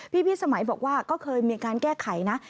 พี่สมัยบอกว่าก็เคยมีการแก้ไขนะ